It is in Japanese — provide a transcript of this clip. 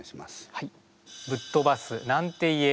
はい。